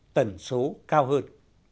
tầng số cao hơn